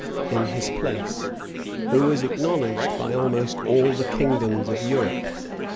in his place, who was acknowledged by almost all the kingdoms of Europe.